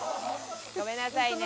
ごめんなさいね。